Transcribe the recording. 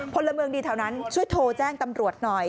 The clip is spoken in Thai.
พลเมืองดีแถวนั้นช่วยโทรแจ้งตำรวจหน่อย